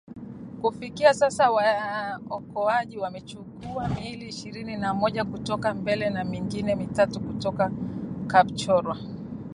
Kufikia sasa waokoaji wamechukua miili ishirini na moja kutoka Mbale na mingine mitatu kutoka Kapchorwa.